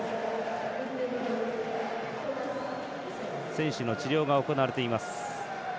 選手の治療が行われています。